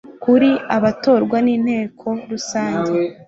kuri batorwa n inteko rusange